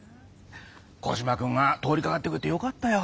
コジマくんが通りかかってくれてよかったよ。